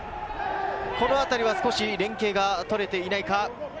このあたりは少し連携がとれていないか。